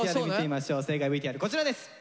正解ＶＴＲこちらです。